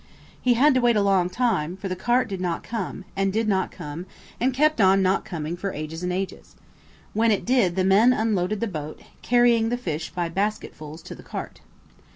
He had to wait a long time, for the cart did not come, and did not come, and kept on not coming for ages and ages. When it did the men unloaded the boat, carrying the fish by basketfuls to the cart.